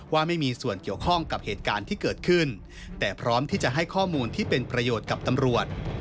ว่าไม่มีส่วนเกี่ยวข้องกับเหตุการณ์ที่เกิดขึ้นแต่พร้อมที่จะให้ข้อมูลที่เป็นประโยชน์กับตำรวจ